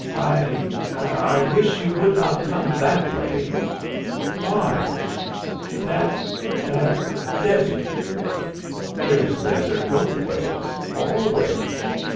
"I I wish you would not come that way." "Why?" "That that desert!" "There's desert both ways all ways.